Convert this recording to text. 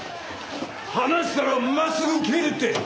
話したら真っすぐ帰るって。